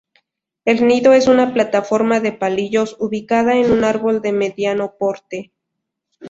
El nido es una plataforma de palillos ubicada en un árbol de mediano porte.